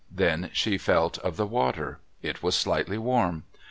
Then she felt of the water. It was slightly warm.